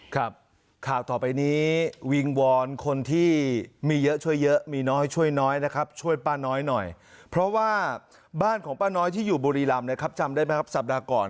ข่าวต่อไปนี้วิงวอนคนที่มีเยอะช่วยเยอะมีน้อยช่วยน้อยนะครับช่วยป้าน้อยหน่อยเพราะว่าบ้านของป้าน้อยที่อยู่บุรีรำนะครับจำได้ไหมครับสัปดาห์ก่อน